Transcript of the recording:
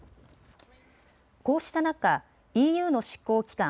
こうした中、ＥＵの執行機関